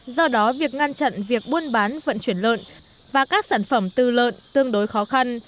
do đó việc ngăn chặn việc buôn bán vận chuyển lợn và các sản phẩm tư lợn tương đối khó khăn